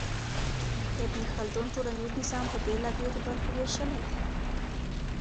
ابن خلدون ټولنيز نظام په بېلابېلو برخو وېشلی دی.